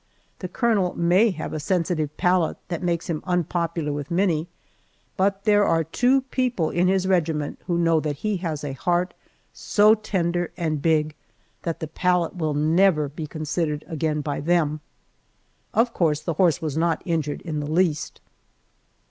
The colonel may have a sensitive palate that makes him unpopular with many, but there are two people in his regiment who know that he has a heart so tender and big that the palate will never be considered again by them. Of course the horse was not injured in the least.